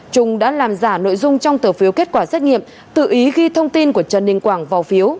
trung đã làm giả nội dung trong tờ phiếu kết quả xét nghiệm tự ý ghi thông tin của trần đình quảng vào phiếu